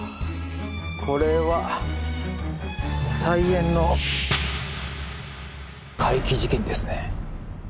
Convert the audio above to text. これは菜園の怪奇事件ですね。